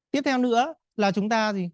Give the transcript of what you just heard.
tiếp theo nữa là chúng ta gì